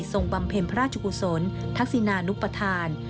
บำเพ็ญพระราชกุศลทักษินานุปทาน